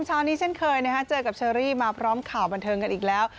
เช้านี้เช่นเคยนะฮะเจอกับเชอรี่มาพร้อมข่าวบันเทิงกันอีกแล้ว